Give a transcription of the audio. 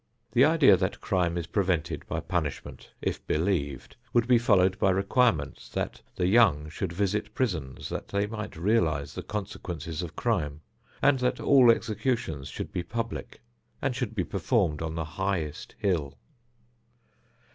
The idea that crime is prevented by punishment, if believed, would be followed by requirements that the young should visit prisons that they might realize the consequences of crime, and that all executions should be public and should be performed on the highest hill.